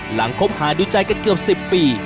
หลังคบหาดุจัยกันเกือบ๑๐ปี